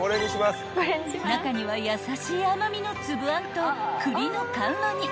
［中には優しい甘味の粒あんと栗の甘露煮］